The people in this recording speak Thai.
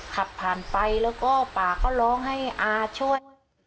ขับผ่านไปแล้วก็ป่าก็ร้องให้อาช่วย